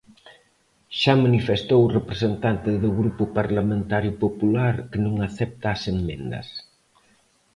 Xa manifestou o representante do Grupo Parlamentario Popular que non acepta as emendas.